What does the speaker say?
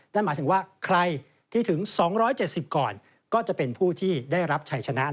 นั่นหมายถึงว่าใครที่ถึง๒๗๐ก่อนก็จะเป็นผู้ที่ได้รับชัยชนะ